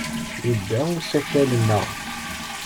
Yedda usakal-nneɣ.